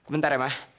bentar ya ma